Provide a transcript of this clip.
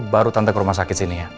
baru tante ke rumah sakit sini ya